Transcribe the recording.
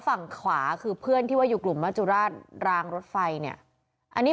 ฝั่งขวาคือเพื่อนที่ว่าอยู่กลุ่มมจุราชรางรถไฟเนี่ยอันนี้